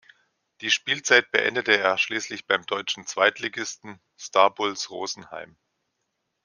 Die Spielzeit beendete er schließlich beim deutschen Zweitligisten Starbulls Rosenheim.